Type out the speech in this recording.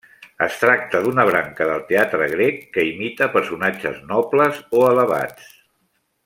Es tracta d'una branca del teatre grec que imita personatges nobles o elevats.